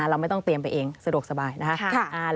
เราไม่ต้องเตรียมไปเองสะดวกสบายนะคะ